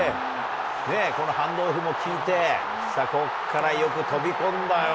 このハンドオフも効いてここからよく飛び込んだよ。